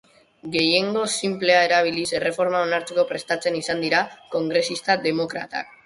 Gehiengo sinplea erabiliz erreforma onartzeko prestatzen izan dira kongresista demokratak.